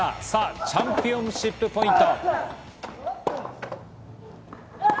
さぁ、チャンピオンシップポイント。